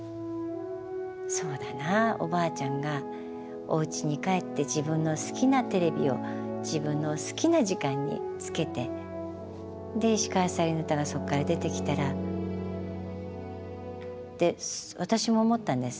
そうだなおばあちゃんがおうちに帰って自分の好きなテレビを自分の好きな時間につけてで石川さゆりの歌がそこから出てきたらって私も思ったんです。